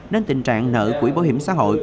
nên tình trạng nợ của bảo hiểm xã hội